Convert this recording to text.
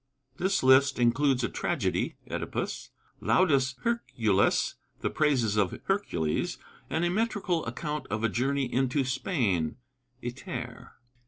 This list includes a tragedy, 'Oedipus,' 'Laudes Herculis' (the Praises of Hercules), and a metrical account of a journey into Spain (Iter).